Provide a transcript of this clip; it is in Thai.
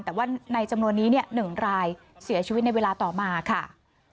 แต่ว่าในจำนวนนี้๑รายเสียชีวิตในเวลาต่อมาค่ะ